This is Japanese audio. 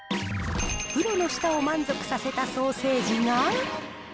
プロの舌を満足させたソーセージが。